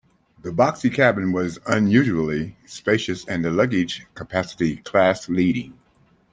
The boxy cabin was unusually spacious and the luggage capacity class leading.